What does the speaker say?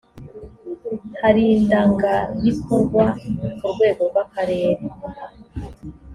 harindangabikorwa ku rwego rw akarere